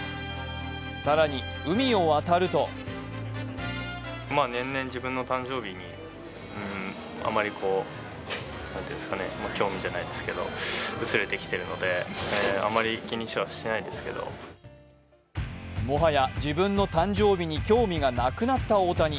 更に、海を渡るともはや自分の誕生日に興味がなくなった大谷。